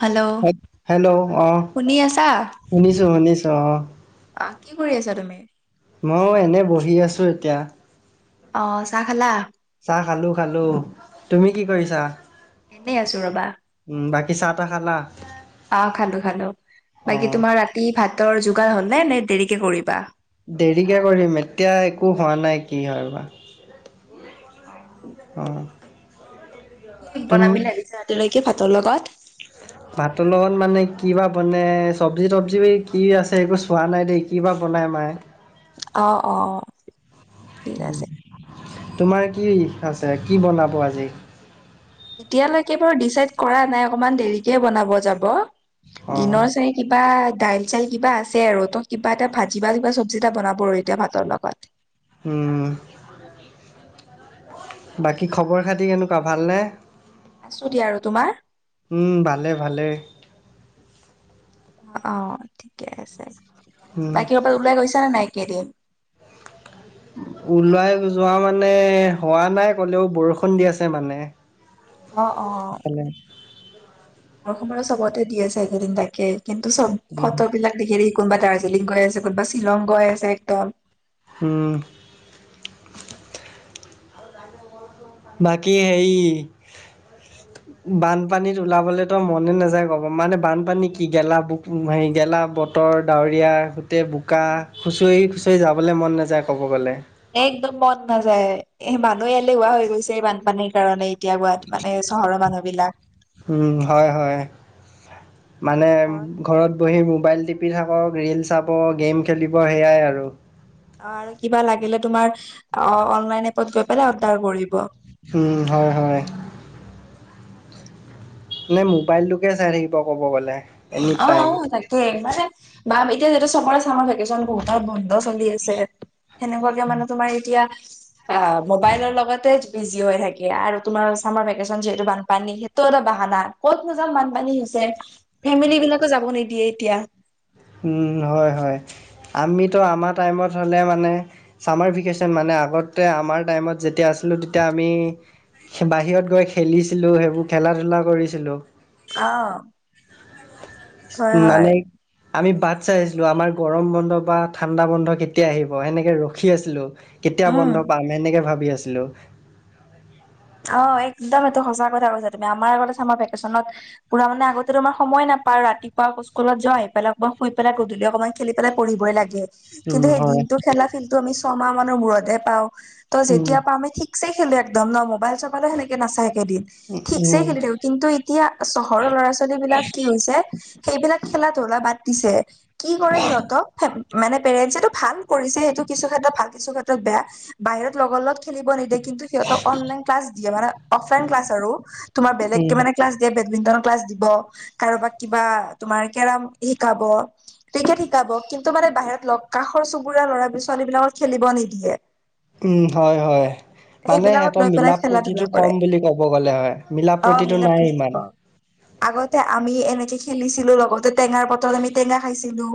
Hello হে hello অ শুনি আছা। শুনিছো শুনিছো অ অ কি কৰি আছা তুমি? ময়ো এনেই বহি আছোঁ এতিয়া। অ' চাহ খালা? চাহ খালোঁ খালোঁ। তুমি কি কৰিছা? এনেই আছোঁ ৰ'বা। উ, বাকী চাহ তাহ খালা? অ' খালোঁ খালোঁ। অ বাকি তোমাৰ ৰাতি ভাতৰ যোগাৰ হ'লনে নে দেৰিকে কৰিবা? দেৰিকে কৰিম, এতিয়া একো হোৱা নাই, কি হয় বা। অ'। অ'। কি বনাবি তুমি বুলি ভাগিছে ৰাতিলৈকে ভাতৰ লগত? ভাতৰ লগত মানে কিবা বনে, চব্জি তবজি কি আছে একো চোৱা নাই দেই, কি বা বনাই মায়ে। অ', অ'। ঠিক উ, আছে। তোমাৰ কি আছে, কি বনাব আজি? এতিয়ালৈকে বাৰু ডিচাইড কৰা নাই অকমান দেৰিকে বনাব যাব, অ দিনৰ চাগে কিবা ডাইল চাইল কিবা আছে আৰু ত' কিবা এটা ভাজি বা কিবা চব্জি এটা বনাব আৰু এতিয়া ভাতৰ লগত। হুম। বাকী খবৰ খাতি কেনেকুৱা ভালনে? আছোঁ দিয়া আৰু, তোমাৰ? উম, ভালে ভালে। অ' ঠিকে আছে। উম বাকী ক'ৰবা ওলাই গৈছা নে নাই কেইদিন? ওলাই যোৱা মানে হোৱা নাই ক'লেও বৰষুণ দি আছে মানে। অ', অ'। [unintelligible] [unintelligible] চবতে দি আছে এইদিন তাকে কিন্তু চব উম। ফটোবিলাক [unintelligible] কোনোবা দাৰ্জিলিং গৈ আছে, কোনোবা শ্বিলং গৈ আছে একদম। হুম। বাকী হেই [inaudible] বানপানীত ওলাবলৈতো মনে নাযায় ক'ব মানে বানপানী কি গেলা ব-হেৰি গেলা ব তৰ ডাৱৰীয়া গোটেই বোকা, উম, খুচৰি খুচৰি যাবলৈ মন নাযায় ক'ব গ'লে। একদম মন নাযায়। এ, মানুহে এলেহুৱা হৈ গৈছে এই বানপানীৰ কাৰণে। এতিয়া গোৱাত মানে চহৰৰ মানুহবিলাক। উম, হয় হয়, মানে ঘৰত বহি মোবাইল টিপি থাকক, ৰীল চাব, গেম খেলিব সেয়াই আৰু। অ' আৰু কিবা লাগিলে তোমাৰ অনলাইন এপত গৈ পেলাই অৰ্ডাৰ কৰিব। উম, হয় হয়। নে মোবাইলটোকে চাই থাকিব ক'ব গ'লে। Any time. অ' তাকে, মানে বা এতিয়া যিহেতু চবৰে চামাৰ ভেকেচন বহুতত বন্ধ চলি আছে, সেনেকুৱাকে মানে তোমাৰ এতিয়া অ' মোবাইলৰ লগতে বিজি হৈ থাকে আৰু তোমাৰ চামাৰ ভেকেচন যিহেতু বানপানী তৰ এটা বাহানা, ক'তনো যাম বানপানী হৈছে, ফেমিলিবিলাকো যাব নিদিয়ে এতিয়া। উম, হয় হয়। আমিতো আমাৰ টাইমত হ'লে মানে চামাৰ ভেকেচন মানে আগতে আমাৰ টাইমত যেতিয়া আছিলোঁ তেতিয়া আমি বাহিৰত গৈ খেলিছিলোঁ, সেইবোৰ খেলা ধূলা কৰিছিলোঁ। অ'। হয় হয় মানে আমি বাট চাই আছিলোঁ, আমাৰ গৰম বন্ধ বা ঠাণ্ডা বন্ধ কেতিয়া আহিব সেনেকৈ ৰখি আছিলোঁ। কেতিয়া উম বন্ধ পাম সেনেকে ভাবি আছিলো। অঁ', -একদম এইটো সঁচা কথা কৈছা তুমি আমাৰ আগত আমাৰ ভেকেশচনত - পুৰা মানে আগতে আমাৰ সময় নাপাওঁ ৰাতিপুৱা স্কুলত যোৱা আহি পেলাইক বা শুই পেলাই গধূলি অকণমান - খেলি পেলাই পঢ়িবই লাগে। কিন্তু উম সেই হয় দিনটো খেলা ফিলটো আমি ছমাহ মানৰ মূৰততে'হে পাওঁ। ত' উম যেতিয়া পাওঁ আমি ঠিক - ঠিকচে খেলো একদম ন' মবাইল-চবাইলো সেনেকে নাচায় একেদিন ঠিকছে উম খেলো। কিন্তু এতিয়া চহৰৰ ল'ৰা-ছোৱালী বিলাক কি হৈছে সেইবিলাক খেলা ধূলা বাদ দিছে। কি কৰে সিহঁতক মানে পেৰেণ্টছেটো ভাল কৰিছে সেইটো কিছু ক্ষেত্ৰতো ভাল কিছু ক্ষেত্ৰত বেয়া। বাহিৰত লগৰ লগত - খেলিব নিদিয়ে কিন্তু সিহঁতক অনলাইন ক্লাছ দিয়ে মানে অফলাইন ক্লাছ আৰু তোমাৰ উম বেলেগকে মানে - ক্লাছ দিয়ে, বেডমিন্টন ক্লাছ দিব কাৰোবাক কিবা তোমাৰ কেৰম শিকাব। ক্ৰিকেট শিকাব কিন্তু মানে বাহিৰত লগ কাষৰ চুবুৰীয়া ল'ৰা-ছোৱালী বিলাকৰ খেলিব নিদিয়ে। উমঁ, হয়-হয়। মানে সেইবিলাকত সিহঁত লৈ - পেলাই খেলা ধূলা মিলা-প্ৰিতি কৰে কম বুলি ক'ব গ'লে হয়, মিলা-প্ৰিতি অ প্ৰতিটো মিলা নাই প্ৰীতিটো ইমান। ক আগতে আমি এনেকে খেলিছিলো লগতে টেঙাৰ বতৰত আমি টেঙা খাইছিলো।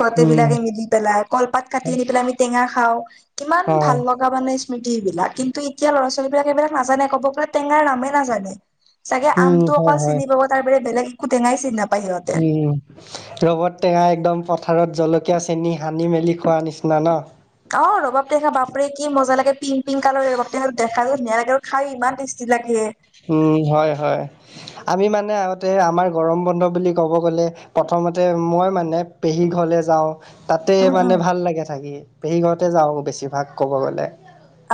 গোটেই উম বিলাকে মিলি পেলাই, কলপাত কাটি আনি পেলাই আমি টেঙা খাওঁ, কিমান অ ভাল লগ [unintelligible] স্মৃতি এইবিলাক। কিন্তু এতিয়া ল'ৰা-ছোৱালীবিলাক এইবিলাক নাজানে ক'ব গ'লে টেঙাৰ নামেই নাজানে। চাগে উম, আমটো হয় অকল হয়। চিনি পাব তাৰ বাহিৰে বেলেগ একো টেঙাই চিনি নাপায় সিহঁতে। উমঁ। ৰবাব টেঙাই একদম পথাৰত জলকীয়া, চেনি সানি মেলি খোৱাৰ নিচিনা ন। অঁ', -ৰবাব টেঙা বাপৰে কি মজা লাগে পিং-পিং কালাৰৰ ৰবাব টেঙা দেখা ধুনীয়া লাগে আৰু খাই ইমান টেষ্টি লাগে। উমঁ, হয়-হয়। আমি মানে আগতে আমাৰ গৰম বন্ধ বুলি ক'ব গ'লে - প্ৰথমতে মই মানে পেহী ঘৰলে যাওঁ। তা'তে উম উম মানে ভাল লাগে থাকি পেহী ঘৰতে যাওঁ বেছিভাগ ক'ব গ'লে।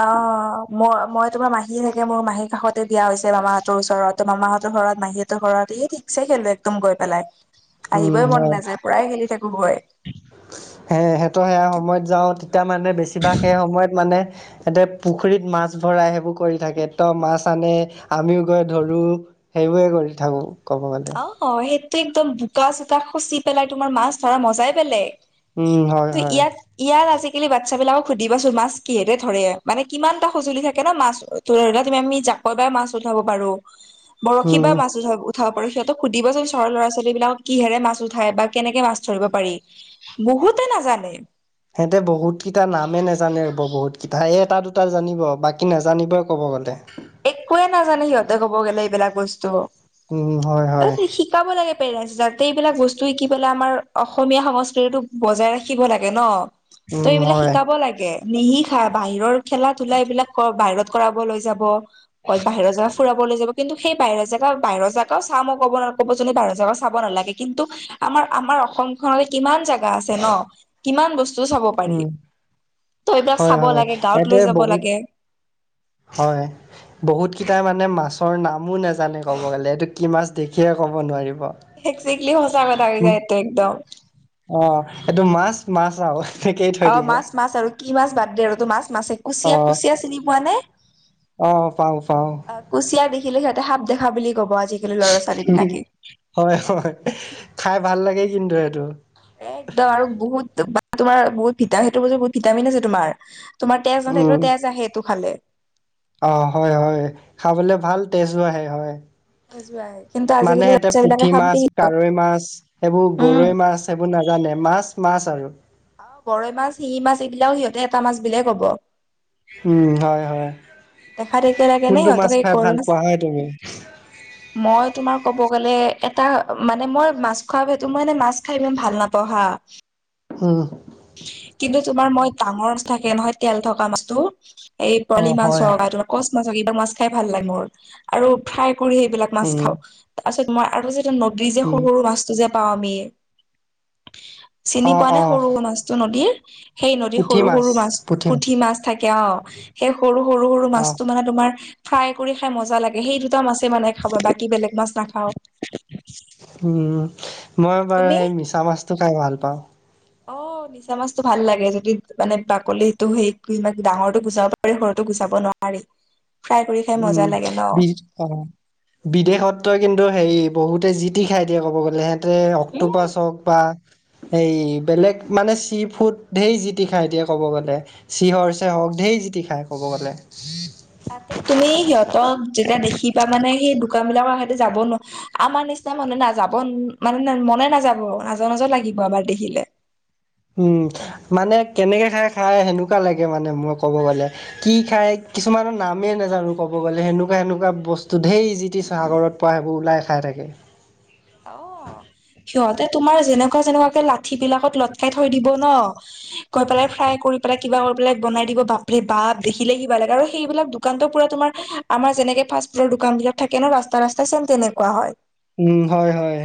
অঁহ', মই-মই তোমাৰ মাহী থাকে মোৰ মাহীৰ কাষতে বিয়া হৈছে মামাহঁতৰ ওচৰত মামাহঁতৰ ঘৰত মাহীহত- ঘৰত। এই ঠিকছে খেলো, একদম গৈ পেলাই আহিবই মন নাযায় পুৰা খেলি থাকো গৈ। হে সেইটো সেয়া সময়ত যাওঁ‌ তেতিয়া মানে বেছিভাগ সেই সময়ত মানে- সেতে পুখুৰীত মাছ ভৰাই সেইবোৰ কৰি থাকে ত' মাছ আনি আমিও গৈ ধৰো। সেইবোৰে কৰি থাকো ক'ব গ'লে। অহ', সেইটোৱেইটো একদম বোকা-চোকা খুচি পেলাই তোমাৰ মাছ ধৰা মজাই বেলেগ। উম হয় কি হয় ইয়াত- ইয়াত আজিকালি বাচ্ছা বিলাকক সুধিবা চোন মাছ কিহেৰে ধৰে, মানে কিমান এটা সঁজুলি থাকে ন' মাছ- ৰ'দত আমি জাকৈ বাই মাছ উঠাব পাৰোঁ, বৰশী বা উম মাছ উঠাব, উঠাব পাৰোঁ। সিহঁতক সুধিবচোন চহৰৰ ল'ৰা-ছোৱালী বিলাকক কিহেৰে মাছ উঠাই বা কেনেকে মাছ ধৰি পাৰি। বহুতে নাজানে। সিহঁতে বহুকেইটা নামেই নোজানে ৰ'ব বহুতকেইটা এই এট-দুটা জানিব বাকী নাজানিবই ক'ব গ'লে। একোৱে নাজানে সিহঁতে ক'ব গ'লে এইবিলাক বস্তু। উম, হয়-হয়। শিকাব লাগে পেৰেন্ট, যাতে এইবিলাক বস্তু শিকি পেলাই আমাৰ অসমীয়া সংস্কৃতিটোক বজাই ৰাখিব লাগে ন'। ত' উম এইবিলাক হয় শিকাব লাগে। নিশিকাই বাহিৰৰ খেলা-ধূলা এইবিলাক বাহিৰত- কৰাব লৈ যাব, ক'ত বাহিৰৰ জেগাত ফুৰাবলৈ যাব। কিন্তু সেই বাহিৰৰ জেগা বাহিৰৰ জেগাও ক'ব ন' ক'ব যে বাহিৰৰ জেগাও নালাগে, কিন্তু- আমাৰ-আমাৰ অসমখনলৈ কিমান জেগা আছে ন' কিমান বস্তু চাব প উম ত' এইবিলাক হয় চাব হয় লাগে গাঁৱত ইয়াতে লৈ যাব বহুত লাগে। হয়! বহুতকেইটাই মানে মাছৰ নামো নাজানে ক'ব গ'লে এইটো কি মাছ দেখিয়ে ক'ব নোৱাৰিব। একজেক্টলি সঁচা কথা হৈ যায়তে একদম। অ' এইটো মাছ মাছ আও অ' মাছ মাছ আৰু কি মাছ বাদ দে আৰু তোৰ মাছ মাছে অ কুচিয়া কুচিয়া চিনি পোৱা নে? অ' চাওঁ চাওঁ। অ কুচিয়া দেখিলে সিহঁতে সাপ দেখা বুলি ক'ব আজিকালি ল'ৰা ছোৱালী বিলাকে। হয়, হয় খাই ভাল লাগে কিন্তু এইটো। একদম আৰু বহুত বা তোমাৰ বহুত ফিতাহিটো বোলি বহুত ভিটামিন আছে তোমাৰ। তোমাৰ তেজ উম নাথাকিলো তেজ আহে এইটো খালে। অ' হয় হয় খাবলৈ ভাল তেজো আহে হয়। তেজো আহে কিন্তু মানে আজিকালি সেঁতে বাচ্ছা বিলাকে পুঠি সাপ মাছ দেখি কাৱৈ মাছ সেইবোৰ উম গৰৈ মাছ সেইবোৰ নাজানে মাছ মাছ আৰু। অ গৰৈ মাছ শিঙি মাছ এইবিলাকও সিহঁতে এটা মাছ বুলিও ক'ব। উমঁ! হয়ঁ! হয়ঁ! দেখা দেখি কেনে নাই অতক কৰমেচ পোৱা হয় তুমি মই তোমাৰ কব গ'লে এটা মানে মই মাছ খোৱা ভাটো মই এই মাছ খাই ইমান ভাল নাপাওঁ হা। উমঁ! উমঁ! কিন্তু তোমাৰ মই ডাঙৰ মাছ থাকে নহয় তেল থকা মাছটো এই অ পোৱলি মাছ হয় চব তোমাৰ কচ মাছক এইবাৰ মাছ খাই ভাল লাগে মোৰ আৰু ফ্ৰাই কৰি এইবিলাক মাছ উম খাও তাৰপাছত মই আৰু যে নদী যে উম সৰু সৰু মাছটো যে পাওঁ আমি চিনি অ পোৱা নে অ সৰু সৰু মাছ নদীৰ সেই নদীৰ সৰু সৰু মাছ পুঠি মাছ থাকে অ' সেই সৰু সৰু সৰু অ মাছটো মানে তোমাৰ ফ্ৰাই কৰি খাই মজা লাগে সেই দুটা মাছ মানে খাব বাকী বেলেগ মাছ নাখাওঁ। উমঁ! মই বাৰু তুমি সেই মিছা মাছটো খাই ভাল পাওঁ। অঁ! নিশ্চ মিছা মাছটো ভাল লাগে যদি মানে বাকলিটো সেই ই ডাঙৰতো গুচাব পাৰি সৰতো গুচাব নোৱৰি। [inaudible] উমঁ! বি অঁ! বিদেশতই কিন্তু হেৰি বহুতে জিতি খাই দিয়ে ক'ব গ'লে সেয়া ত তে অক্টো পাছ হওক বা এইেই বেলেগ মানে চি ফুড ধেৰি যি টি খায় দিয়ে ক'ব গ'লে। চিহৰ চেহক ঢেই জিতি খাই কব গ'লে। তাতে তুমি সিহঁতক যেতিয়া দেখিবা মানে সেই দোকান বিলাকৰ হয়তো যাব নোৱাৰে আমাৰ নিচিনা মানুহ নাযাব মানে মনে নাযাব নাজৰ নাজৰ লাগিব আমাক দেখিলে। উমঁ! মানে কেনেকে খাই খাই সেনেকুৱা লাগে মানে মই ক'ব গ'লে। কি খাই কিছুমানৰ নামেই নোজানো ক'ব গ'লে কেনেকুৱা সেনেকুৱা বস্তু ঢেইৰ জিতিছ সাগৰত হয়াইহো ওলাই খাই থাকে। অঁ! সিহঁতে তোমাৰ যেনেকুৱা যেনেকুৱাকে লাঠি বিলাকত লটকাই থৈ দিব ন। গৈ পেলাই ফ্ৰাই কৰি পেলাই কিবা কৰি সেবিলাক বনাই দিব বাপৰে বাপ দেখিলে কিবা লাগে আৰু সেইবিলাক দোকানতো পুৰা তোমাৰ আমাৰ যেনেকে ফাষ্ট ফুডৰ দোকান বিলাক থাকে ন ৰাস্তা ৰাস্তা চেম তেনেকুৱা হয়। উমঁ! হয়ঁ! হয়ঁ!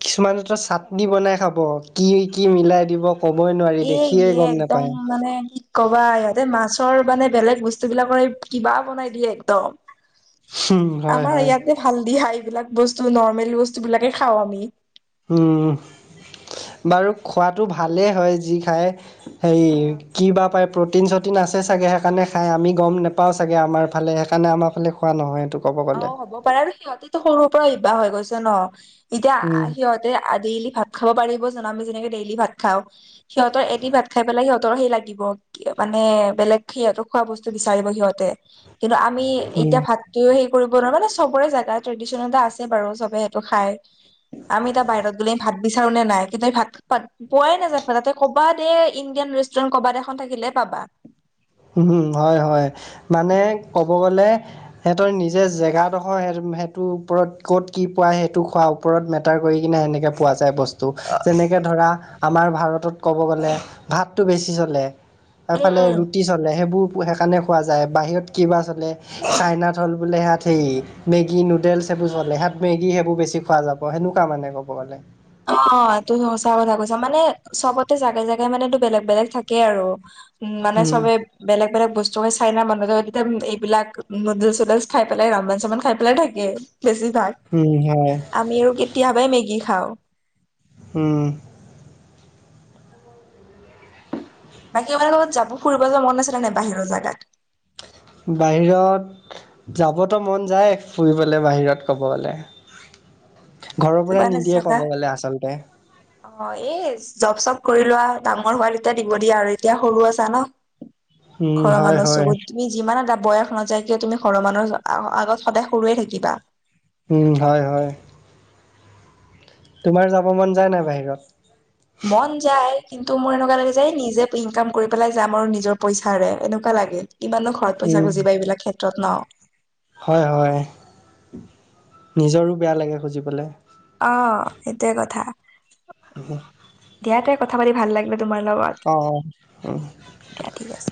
কিছুমানেতো চাটনি বনাই খাব কি কি মিলাই দিব। ক'বই নোৱাৰি এ দেখিয়ে ইয়ে গম একদম নেপায়। মানে কবা ইহঁতে মাছৰ মানে বেলেগ বস্তুবিলাকৰ কিবাও বনাই দিয়ে একদম। হুম, হয় আমাৰ হয় ইয়াতে ভাল দিয়া, এইবিলাক বস্তু নৰ্মেল বস্তু বিলাকে খাও আমি। উম, বাৰু খোৱাটো ভালেই হয় যি খাই। হেৰি কি বা পাই। প্ৰ'টিন চ'টিন আছে চাগে সেইকাৰণে খাই আমি গম নাপাওঁ চাগে, আমাৰ ফালে সেইকাৰণে আমাৰ ফালে খোৱা নহয় এইটো ক'ব অ গ'লে। হ'ব পাৰে আৰু সিহঁতেটো সৰুৰ পৰা অভ্যাস হৈ গৈছে ন এতিয়া উম সিহঁত আদি ভাত খাব পাৰিব জানো আমি যেনেকে ডেইলি ভাত খাওঁ। সিহঁতৰ এটি ভাত খাই পেলাই সিহঁতৰ সেই লাগিব। মানে বেলেগ সিহঁতক খোৱা বস্তু বিচাৰিব সিহঁতে। কিন্তু আমি উম এতিয়া ভাতটোৱেও সেই কৰিব নোৱাৰো মানে চবৰে জেগা ট্ৰেডিশনেল এটা আছে বাৰু চবে সেইটো খাই। আমি এতিয়া বাহিৰত গ'লে ভাত বিচাৰো নে নাই কিন্তু স ভাত পোৱাই নাযাবা তাতে কবাত এ ইণ্ডিয়ান ৰেষ্টুৰেণ্ট ক'বাত এখন থাকিলে পাবা। উম হয় হয়, মানে ক'ব গ'লে। সেহতৰ নিজে জেগাডোখৰ সেইটোৰ ওপৰত ক'ত কি পোৱা সেইটো খোৱা। ওপৰত মেটাৰ কৰি কিনে এনেকে পোৱা যায় বস্তু। টো, যেনেকে ধৰা আমাৰ ভাৰতত ক'ব গ'লে ভাতটো বেছি চলে। উম এফালে উম। ৰুটি চলে সেইবোৰ সেইকাৰণে খোৱা যায় বাহিৰত কিবা চলে। চাইনাত হ'ল বোলে সিহত সেই মেগী নুডেলছ সেইবোৰ চলে সিাত মেগী সেইবোৰ বেছি পোৱা যাব। অঁ সেনেকুৱা মানে ক'ব গ'লে। অঁ এইটো সচা কথা কৈছা, মানে চবতে জাগে জাগাই মানটো বেলেগ বেলেগ থাকেই আৰু। উম মানে চবে বেলেগ বেলেগ বস্তু চাইনা মানুহ তেতিয়া এইবিলাক নুডল চুডলছ খাই পেলাই ৰমমান চহন খাই পেলাই থাকে। বেছি ভাগ উম হয়। আমিও কেতিয়াবাই মেগী খাওঁ। উম বাকী আপোনৰ লগত যাব ফুৰিব যে মন নাছিলে নে বাহিৰৰ জোগাত। বাহিৰত যাবতো মন যায় ফুৰিবলৈ বাহিৰত ক'ব গ'লে। ঘৰৰ পৰা কিবা নিদিয়ে ক'ব গ'লে আচলতে। অঁ এই জব চব কৰি লোৱা ডাঙৰ হোৱা তেতিয়া দিব দিয়া আৰু এতিয়া সৰু হৈ আছা ন। উম ঘৰৰ হয় মানুহ হয় চকুত তুমি যিমান এটা বয়স নাযায় কিয় তুমি ঘৰৰ মানুহৰ আগত সদায় সৰুয়ে থাকিবা। উম হয় হয়। তোমাৰ যাব মন যায় নাই বাহিৰত। মন যায় কিন্তু মোৰ এনেকুৱা লাগে যে নিজে ইনকাম কৰি পেলাই যাম আৰু নিজৰ পইচাৰে এনেকুৱা লাগে। কিমান নো ঘৰত উম পইচা খুজিবা এইবিলাক ক্ষেত্ৰত ন। হয় হয়, নিজৰো বেয়া লাগে খুজিবলে। অঁ, সেইটোৱে কথা। উম, দিয়াতেই কথা পাতি ভাল লাগিলে। তোমাৰ লগত অঁ অঁ উম দিয়া ঠিক আছে।